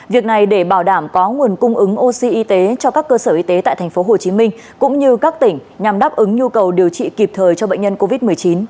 việc này để bảo đảm có nguồn cung ứng oxy y tế cho các cơ sở y tế tại tp hcm cũng như các tỉnh nhằm đáp ứng nhu cầu điều trị kịp thời cho bệnh nhân covid một mươi chín